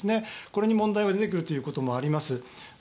これに問題が出てくるということもあります。